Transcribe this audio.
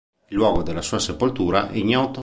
Il luogo della sua sepoltura è ignoto.